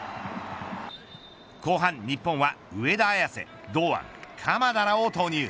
後半、日本は上田綺世、堂安鎌田らを投入。